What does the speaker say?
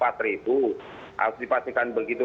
harus dipastikan begitu